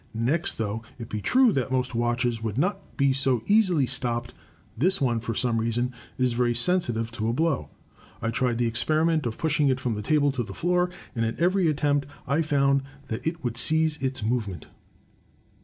Next, though it be true that most watches would not be so easily stopped, this one, for some reason, is very sensitive to a blow. I tried the experiment of pushing it from the table to the floor, and at every attempt I found that it would cease its movement."